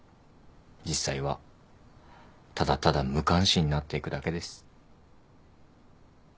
実際はただただ無関心になっていくだけです。